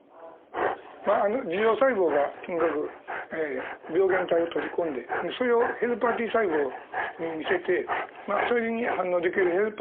樹状細胞がともかく病原体を取り込んでそれをヘルパーＴ細胞に見せてそれに反応できるヘルパーＴ細胞が来る。